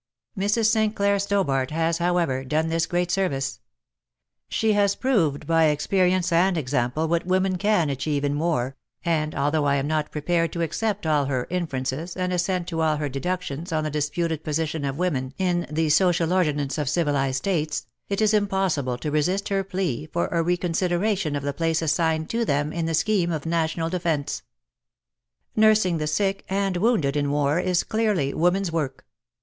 Mrs. St. Clair Stobart has, however, done this great service. She has proved by experience and example what women can achieve in war, and although I am not prepared to accept all her inferences and assent to all her deductions on the disputed position of women in the social ordinance of civilized states, it is impossible to resist her plea for a reconsideration of the place assigned to them in the scheme of National Defence. Nursing the sick and wounded in war is clearly women's work.